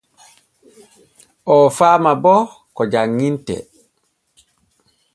Oo faama bo ko janŋintee.